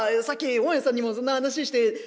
さっき大家さんにもそんな話して。